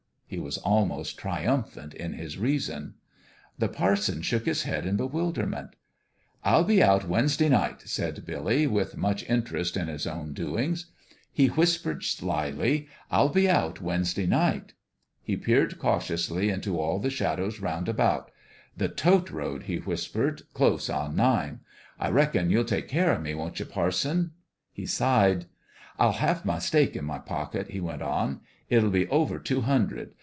He was almost triumphant in his reason. The parson shook his head in bewilderment. "I'll be out Wednesday night," said Billy, with much interest in his own doings. He whis pered, slyly, " I'll be out Wednesday night." He peered cautiously into all the shadows round BOUND THROUGH 281 about. "The tote road," he whispered, "close on nine. I reckon you'll take care o' me, won't ye, parson?" He sighed. "I'll have my stake in my pocket," he went on. " It'll be over two hundred.